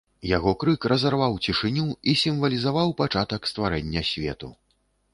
Яго крык разарваў цішыню і сімвалізаваў пачатак стварэння свету.